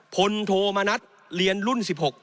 พลโธมานัดเรียนรุ่น๑๖